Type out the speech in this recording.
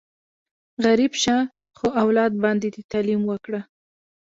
غریب شه، خو اولاد باندې دې تعلیم وکړه!